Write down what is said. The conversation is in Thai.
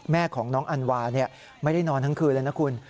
แม่ของน้องอันวาไม่ได้นอนทั้งคืนเลยนะคุณ